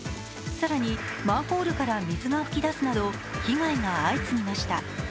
更に、マンホールから水が噴き出すなど、被害が相次ぎました。